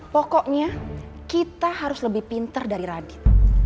pokoknya kita harus lebih pinter dari radit